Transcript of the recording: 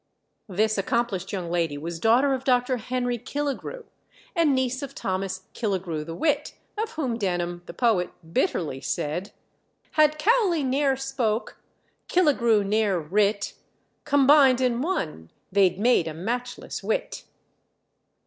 This accomplished young lady was daughter of Dr. Henry Killigrew, and niece of Thomas Killigrew the wit, of whom Denham, the poet, bitterly said "Had Cowley ne'er spoke, Killigrew ne'er writ, Combined in one they'd made a matchless wit."